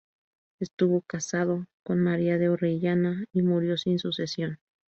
Estuvo casado con María de Orellana y murió sin sucesión.